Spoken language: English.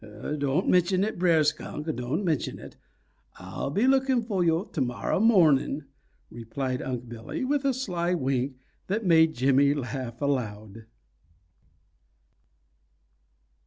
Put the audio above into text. "Don' mention it, Brer Skunk, don' mention it. Ah'll be looking fo' yo' to morrow mo'ning," replied Unc' Billy, with a sly wink that made Jimmy laugh aloud.